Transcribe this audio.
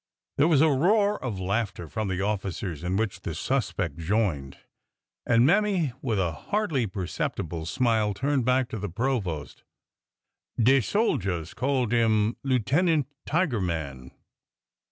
There was a roar of laughter from the officers, in which the suspect joined, and Mammy, with a hardly perceptible smile, turned back to the provost. De soldiers called 'im Lieutenant Tigerman."